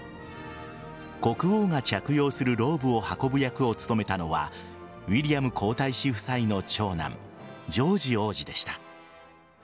国王が着用するローブを運ぶ役を務めたのはウィリアム皇太子夫妻の長男ジョージ王子でした。